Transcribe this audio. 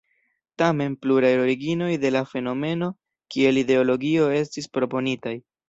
Tamen, pluraj originoj de la fenomeno kiel ideologio estis proponitaj.